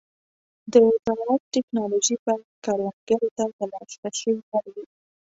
د زراعت ټيکنالوژي باید کروندګرو ته د لاسرسي وړ وي.